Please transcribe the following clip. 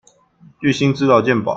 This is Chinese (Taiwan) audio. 具薪資勞健保